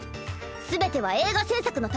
全ては映画制作のため。